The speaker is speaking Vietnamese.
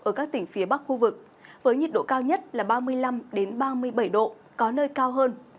ở các tỉnh phía bắc khu vực với nhiệt độ cao nhất là ba mươi năm ba mươi bảy độ có nơi cao hơn